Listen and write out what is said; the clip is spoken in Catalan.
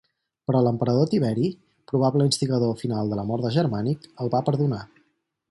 Però l'emperador Tiberi, probable instigador final de la mort de Germànic, el va perdonar.